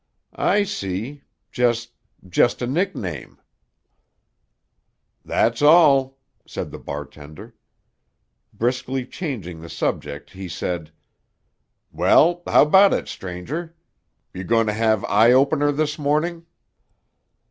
"I see. Just—just a nickname." "That's all," said the bartender. Briskly changing the subject he said: "Well, how 'bout it, stranger? You going to have eye opener this morning?"